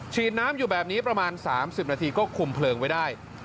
ฉีดน้ำอยู่แบบนี้ประมาณ๓๐นาทีก็คุมเพลิงไว้ได้